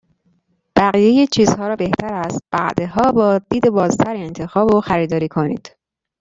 بقیه چیزها را بهتر است بعدها با دید بازتر انتخاب و خریداری کنید.